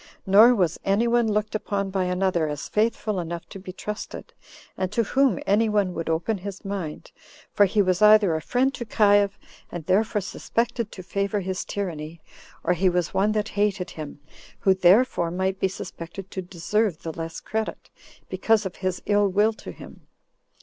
Nor was any one looked upon by another as faithful enough to be trusted, and to whom any one would open his mind; for he was either a friend to Caius, and therefore suspected to favor his tyranny, or he was one that hated him, who therefore might be suspected to deserve the less credit, because of his ill will to him.